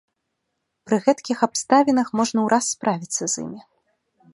Пры гэткіх абставінах можна ўраз справіцца з імі.